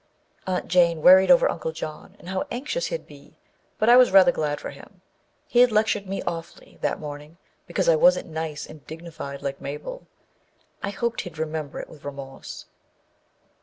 Aunt Jane worried over Uncle John and how anxious he'd be, but I was rather glad for him. He'd lectured me awfully that morning be cause I wasn't nice and dignified, like Mabel. I hoped he'd remember it with remorse.